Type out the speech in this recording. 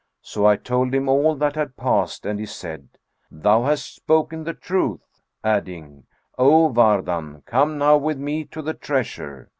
So I told him all that had passed and he said, 'Thou hast spoken the truth,' adding, 'O Wardan, come now with me to the treasure.'